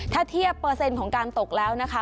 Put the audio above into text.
ถ้าเทียบเปอร์เซ็นต์ของการตกแล้วนะคะ